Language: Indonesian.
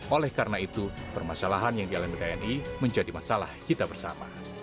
oleh karena itu permasalahan yang dialami tni menjadi masalah kita bersama